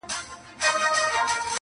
هر څه هماغسې مبهم پاتې کيږي.